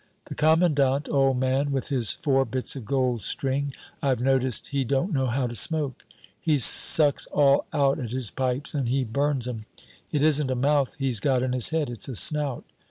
"The commandant, old man, with his four bits of gold string, I've noticed he don't know how to smoke. He sucks all out at his pipes, and he burns 'em. It isn't a mouth he's got in his head, it's a snout.